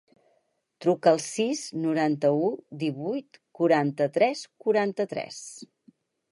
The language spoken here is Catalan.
Truca al sis, noranta-u, divuit, quaranta-tres, quaranta-tres.